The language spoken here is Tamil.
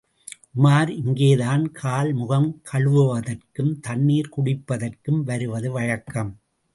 உமார் இங்கேதான் கால், முகம் கழுவுவதற்கும், தண்ணீர் குடிப்பதற்கும் வருவது வழக்கம்.